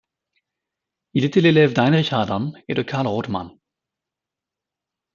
Il était l'élève d'Heinrich Adam et de Carl Rottmann.